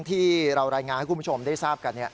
ที่เรารายงานให้คุณผู้ชมได้ทราบกัน